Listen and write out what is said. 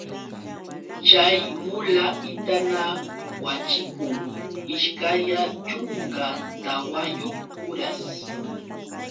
Chay mula itana waćhikun ishkaya chunka tawayuq uras.